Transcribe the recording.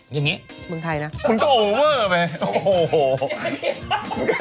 อย่างนี้มึงใครนะมึงก็โอเวอร์ไปโอ้โห